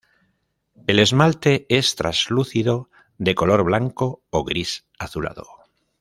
El esmalte es translúcido, de color blanco o gris azulado.